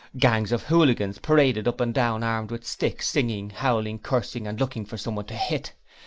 Gangs of hooligans paraded up and down, armed with sticks, singing, howling, cursing and looking for someone to hit.